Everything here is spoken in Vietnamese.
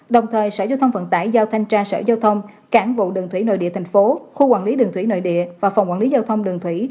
đồng thời sở giao thông vận tải giao thanh tra sở giao thông cảng vụ đường thủy nội địa thành phố khu quản lý đường thủy nội địa và phòng quản lý giao thông đường thủy